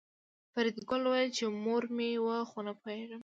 فریدګل وویل چې مور مې وه خو نه پوهېږم